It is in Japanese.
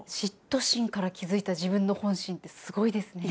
嫉妬心から気付いた自分の本心ってすごいですね。